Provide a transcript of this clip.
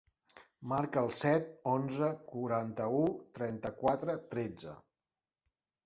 Marca el set, onze, quaranta-u, trenta-quatre, tretze.